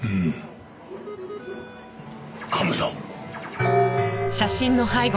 カメさん！